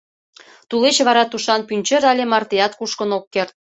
Тулеч вара тушан пӱнчер але мартеат кушкын ок керт.